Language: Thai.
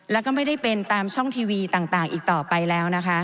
แล้วก็ไม่ได้เป็นตามช่องทีวีต่างอีกต่อไปแล้วนะคะ